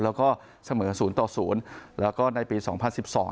แล้วก็เสมอศูนย์ต่อศูนย์แล้วก็ในปีสองพันสิบสอง